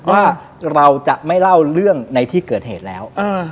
ว่าเราจะไม่เล่าเรื่องในที่เกิดเหตุแล้ว